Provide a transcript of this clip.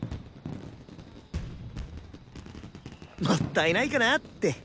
もったいないかなって。